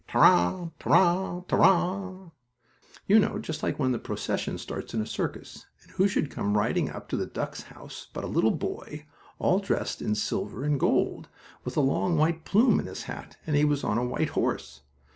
"Ta ra ta ra ta ra!" You know, just like when the procession starts in a circus, and who should come riding up to the ducks' house but a little boy, all dressed in silver and gold, with a long white plume in his hat and he was on a white horse.